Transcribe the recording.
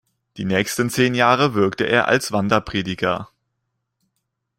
Die nächsten zehn Jahre wirkte er als Wanderprediger.